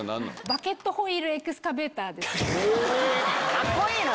カッコいいな！